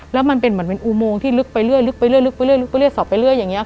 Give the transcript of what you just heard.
แล้วมันเป็นมันเป็นอูโมงที่ลึกไปเรื่อยลึกไปเรื่อยลึกไปเรื่อยลึกไปเรื่อยสอบไปเรื่อยอย่างนี้อะค่ะ